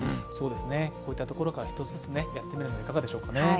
こういったところから一つ一つずつやってみるのはいかがでしょうかね。